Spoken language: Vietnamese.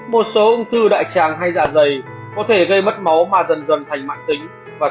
một số ung thư đại tràng hay dạ dày có thể gây mất máu mà dần dần thành mạng tính và từ đó gây ra mệt mỏi